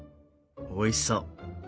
おいしそう。